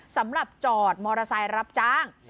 สำหรับจอดมอเตอร์ไซค์รับจ้าง